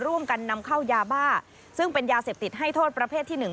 ร่วมกันนำเข้ายาบ้าซึ่งเป็นยาเสพติดให้โทษประเภทที่หนึ่ง